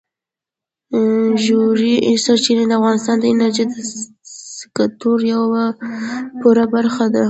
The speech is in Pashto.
ژورې سرچینې د افغانستان د انرژۍ د سکتور یوه پوره برخه ده.